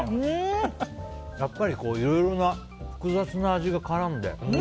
やっぱりいろいろ複雑な味が絡んで。